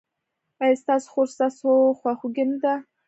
ایا ستاسو خور ستاسو خواخوږې نه ده؟